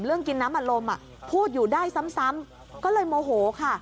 เรื่องกินน้ำอันลมพูดอยู่ได้ซ้ำก็เลยโมโหค่ะ